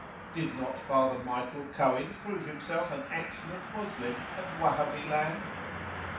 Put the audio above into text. Did not Father Michael Cohen prove himself an excellent Moslem at Wahhabi land?